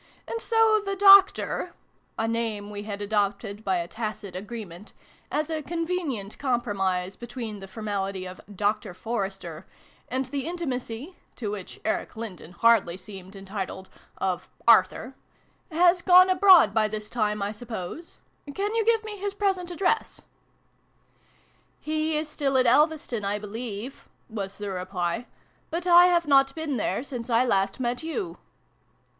"And so the Doctor" (a name we had adopted by a tacit agreement, as a convenient com i] BRUNO'S LESSONS. 3 promise between the formality of ' Doctor Forester' and the intimacy to which Eric Lindon hardly seemed entitled of 'Arthur') "has gone abroad by this time, I suppose? Can you give me his present address ?"" He is still at Elveston 1 believe," was the reply. "But I have not been there since I last met you."